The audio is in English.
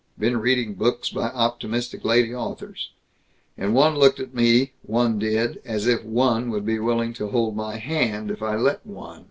Been reading books by optimistic lady authors. And one looked at me, one did, as if one would be willing to hold my hand, if I let one.